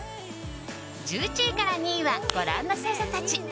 １１位から２位はご覧の星座たち。